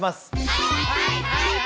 はいはいはい！